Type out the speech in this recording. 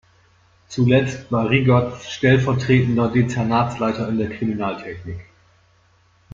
Zuletzt war Riegert stellvertretender Dezernatsleiter in der Kriminaltechnik.